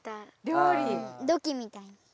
土器みたいに。